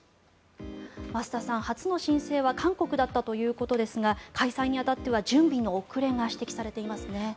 増田さん、初の申請は韓国だったということですが開催に当たっては準備の遅れが指摘されていますね。